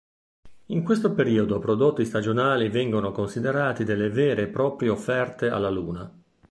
In questo periodo prodotti stagionali vengono considerati delle vere e proprie offerte alla luna.